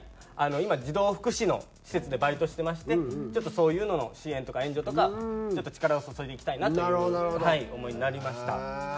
今児童福祉の施設でバイトしてましてちょっとそういうのの支援とか援助とか力を注いでいきたいなという思いになりました。